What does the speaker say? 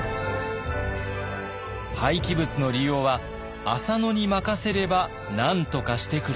「廃棄物の利用は浅野に任せればなんとかしてくれる」。